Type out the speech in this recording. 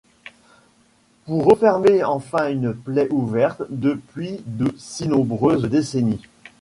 Pour refermer enfin une plaie ouverte depuis de si nombreuses décennies.